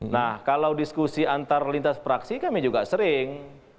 nah kalau diskusi antar lintas fraksi kami juga sering